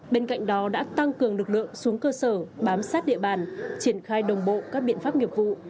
bên cạnh đó đã tăng cường lực lượng xuống cơ sở bám sát địa bàn triển khai đồng bộ các biện pháp nghiệp vụ